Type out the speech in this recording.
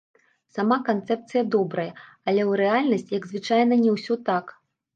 Сама канцэпцыя добрая, але ў рэальнасць як звычайна не ўсё так.